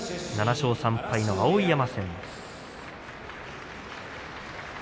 ７勝３敗の碧山戦です。